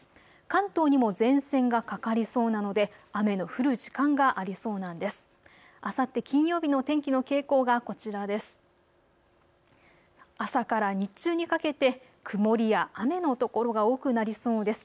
関東にも前線がかかりそうなので雨の降る時間がありそうなんです。